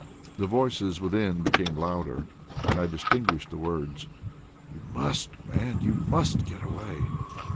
The voices within, became louder, and I distinguished the words: "You must, man, you MUST get away."